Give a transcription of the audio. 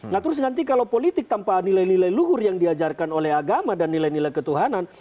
nah terus nanti kalau politik tanpa nilai nilai luhur yang diajarkan oleh agama dan nilai nilai ketuhanan